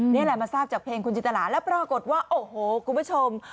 นี่แหละมาทราบจากเพลงคุณจินตราแล้วปรากฏว่าโอ้โหคุณผู้ชม